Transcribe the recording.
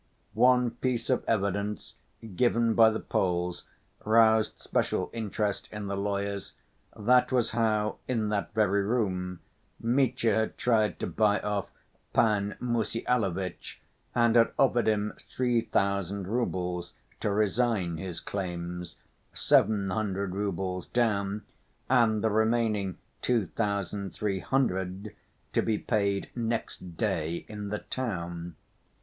One piece of evidence given by the Poles roused special interest in the lawyers: that was how, in that very room, Mitya had tried to buy off Pan Mussyalovitch, and had offered him three thousand roubles to resign his claims, seven hundred roubles down, and the remaining two thousand three hundred "to be paid next day in the town."